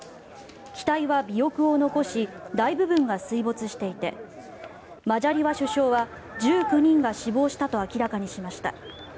機体は尾翼を残し大部分が水没していてマジャリワ首相は１９人が死亡したと明らかにしました。